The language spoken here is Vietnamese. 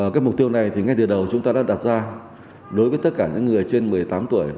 cái mục tiêu này thì ngay từ đầu chúng ta đã đặt ra đối với tất cả những người trên một mươi tám tuổi